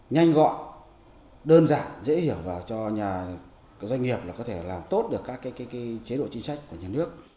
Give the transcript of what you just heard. nhanh gọn đơn giản dễ hiểu và cho nhà doanh nghiệp có thể làm tốt được các chế độ chính sách của nhà nước